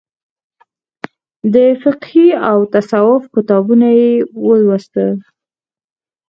د فقهي او تصوف کتابونه یې ولوستل.